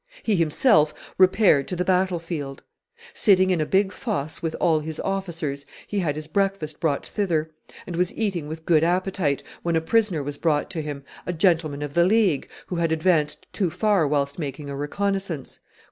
He himself repaired to the battle field. Sitting in a big fosse with all his officers, he had his breakfast brought thither, and was eating with good appetite, when a prisoner was brought to him, a gentleman of the League, who had advanced too far whilst making a reconnaissance.